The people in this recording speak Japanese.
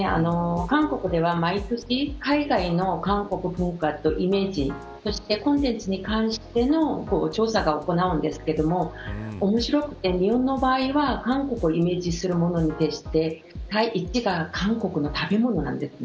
韓国では毎年海外の韓国文化のイメージそしてコンテンツに関しての調査を行うんですけど面白くて日本の場合は韓国をイメージするものとして韓国の一番は韓国の食べ物なんです。